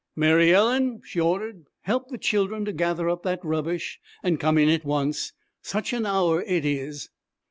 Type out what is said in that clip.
'Mary Ellen,' she ordered, 'help the children to gather up that rubbish, and come in at once! Such an hour it is!'